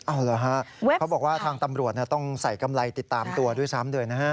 เอาเหรอฮะเขาบอกว่าทางตำรวจต้องใส่กำไรติดตามตัวด้วยซ้ำเลยนะฮะ